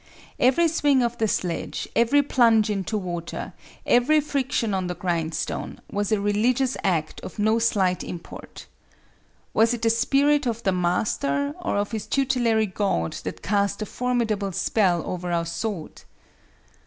Every swing of the sledge, every plunge into water, every friction on the grindstone, was a religious act of no slight import. Was it the spirit of the master or of his tutelary god that cast a formidable spell over our sword?